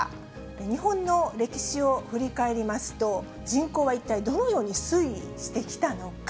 日本の歴史を振り返りますと、人口は一体どのように推移してきたのか。